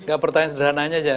enggak pertanyaan sederhananya aja